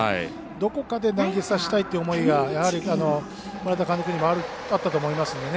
どこかで投げさせたいという思いがやはり村田監督にもあったと思いますんでね。